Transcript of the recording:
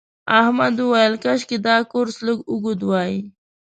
احمد وویل کاشکې دا کورس لږ اوږد وای.